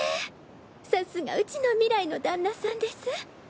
さすがウチの未来の旦那さんです